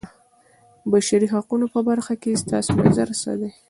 د بشري حقونو په برخه کې ستاسو نظر څه دی.